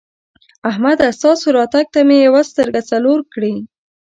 احمده! ستاسو راتګ ته مې یوه سترګه څلور کړې.